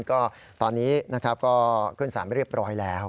ก็ตอนนี้นะครับก็ขึ้นสารไปเรียบร้อยแล้ว